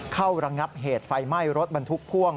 ระงับเหตุไฟไหม้รถบรรทุกพ่วง